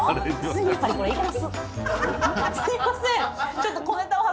すいません。